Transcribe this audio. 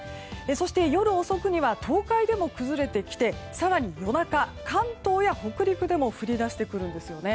そして、夜遅くには東海でも崩れてきて更に夜中、関東や北陸でも降り出してくるんです。